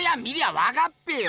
わかっぺよ！